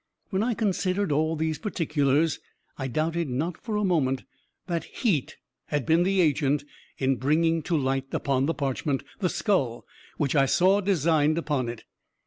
When I considered all these particulars, I doubted not for a moment that heat had been the agent in bringing to light, upon the parchment, the skull which I saw designed upon it.